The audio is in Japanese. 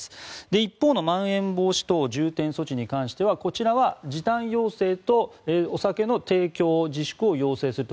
一方のまん延防止等重点措置に関してはこちらは時短要請とお酒の提供自粛を要請すると。